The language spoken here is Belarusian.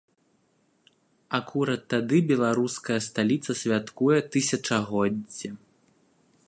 Акурат тады беларуская сталіца святкуе тысячагоддзе.